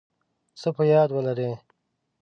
څه په یاد ولرئ